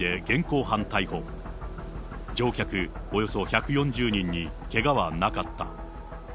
およそ１４０人にけがはなかった。